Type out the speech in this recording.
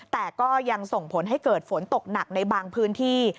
แต่ก็ยังส่งผลให้เกิดฝนตกหนักในบางพื้นที่